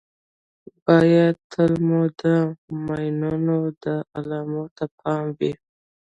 باید تل مو د ماینونو د علامو ته پام وي.